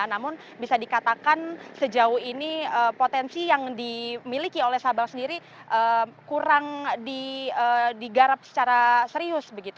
namun bisa dikatakan sejauh ini potensi yang dimiliki oleh sabang sendiri kurang digarap secara serius